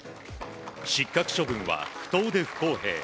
失格処分は不当で不透明。